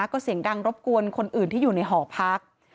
ก็เสียงดังรบกวนคนอื่นที่อยู่ในหอพัก